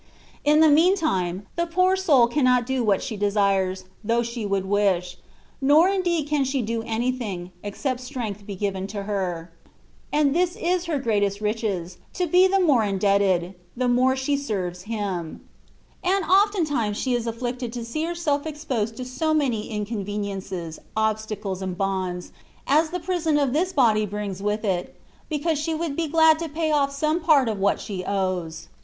In the mean time, the poor soul cannot do what she desires, though she would wish; nor indeed can she do anything, except strength be given to her. And this is her greatest riches, to be the more indebted, the more she serves Him ; and oftentimes is she afflicted to see herself exposed to * ''Que maoden i, veces, como dioen," &c. THE WAY OF PERFECTION. 165 80 many inconveniences^ obstacles^ and bonds^ as the prison of this body brings with it, because she would be glad to pay oflf some part of what she owes.